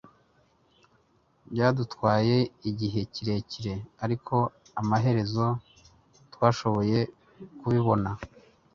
Byadutwaye igihe kirekire ariko amaherezo twashoboye kubibona